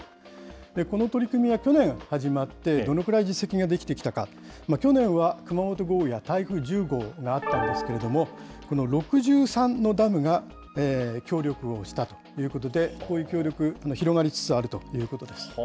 この取り組みは去年始まって、どれぐらい実績が出来てきたか、去年は熊本豪雨や台風１０号があったんですけれども、この６３のダムが協力をしたということで、こういう協力、広がりつつあるということです。